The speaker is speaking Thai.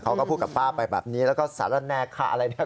เขาก็พูดกับป้าไปแบบนี้แล้วก็สารแนค่ะอะไรเนี่ย